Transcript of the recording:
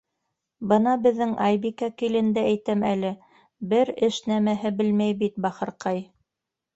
- Бына беҙҙең Айбикә киленде әйтәм әле, бер эш нәмәһе белмәй бит, бахырҡай.